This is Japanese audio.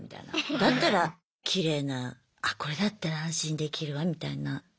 だったらきれいなあこれだったら安心できるわみたいな。